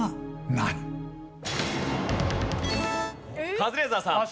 カズレーザーさん。